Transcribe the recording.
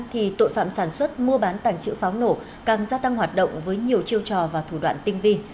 thì tội phạm sản xuất mua bán tàng trữ pháo nổ càng gia tăng hoạt động với nhiều chiêu trò và thủ đoạn tinh vi